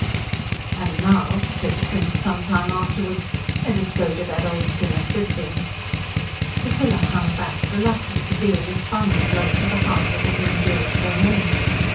"And now," said the Prince some time afterwards, "let us go to that old sinner Fritzing." Priscilla hung back, reluctant to deal this final blow to the heart that had endured so many.